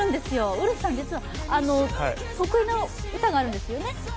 ウルフさん、実は得意な歌があるんですよね？